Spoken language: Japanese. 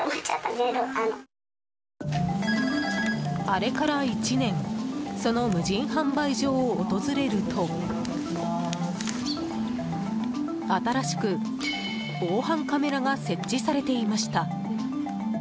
あれから１年その無人販売所を訪れると新しく、防犯カメラが設置されていました。